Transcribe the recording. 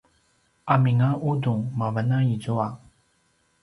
amin a ’udung mavan a izua